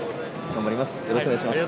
頑張ります。